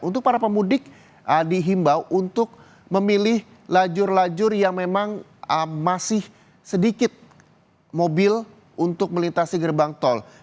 untuk para pemudik dihimbau untuk memilih lajur lajur yang memang masih sedikit mobil untuk melintasi gerbang tol